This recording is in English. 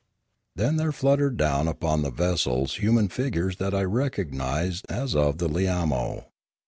Then there fluttered down upon the vessels human figures that I recognised as of the Lilanio.